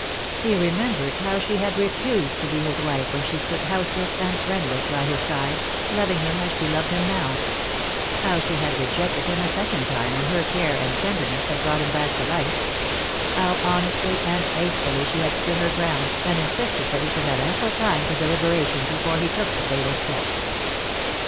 He remembered how she had refused to be his wife when she stood houseless and friendless by his side, loving him as she loved him now; how she had rejected him a second time when her care and tenderness had brought him back to life ; how honestly and faithfully she had stood her ground, and insisted that he should have ample time for deliberation before he took the fatal step.